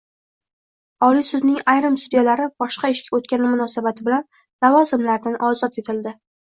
Oliy sudning ayrim sudyalari boshqa ishga o‘tgani munosabati bilan lavozimlaridan ozod etildi